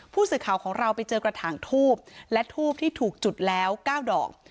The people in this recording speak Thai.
ผู้สื่อข่าวของเราไปเจอกระถางทูบและทูบที่ถูกจุดแล้ว๙ดอก